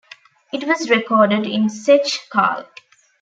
It was recorded in Zeche Carl.